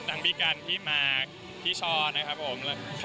ทางบีกัลที่มาที่ช้อนะครับผม